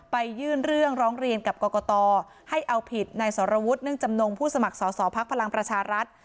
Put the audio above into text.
ยื่นเรื่องร้องเรียนกับกรกตให้เอาผิดนายสรวุฒิเนื่องจำนงผู้สมัครสอสอภักดิ์พลังประชารัฐ